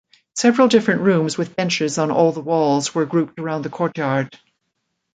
Several different rooms with benches on all the walls were grouped around the courtyard.